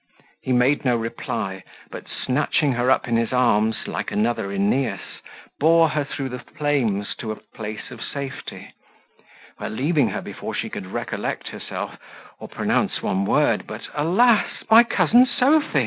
He made no reply, but snatching her up in his arms, like another Aeneas, bore her through the flames to a place of safety; where leaving her before she could recollect herself, or pronounce one word, but "Alas; my Cousin Sophy!"